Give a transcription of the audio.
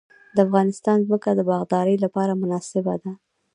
د افغانستان ځمکه د باغدارۍ لپاره مناسبه ده